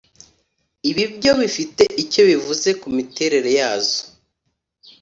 ibi byo bifite icyo bivuze ku miterere yazo